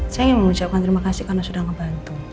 saya ingin mengucapkan terima kasih karena sudah ngebantu